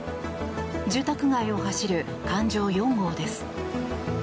住宅街を走る環状４号です。